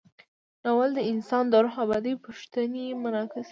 ناول د انسان د روح ابدي پوښتنې منعکسوي.